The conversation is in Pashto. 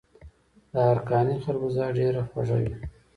د ارکاني خربوزه ډیره خوږه وي.